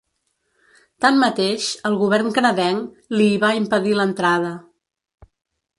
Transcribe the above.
Tanmateix, el govern canadenc li hi va impedir l’entrada.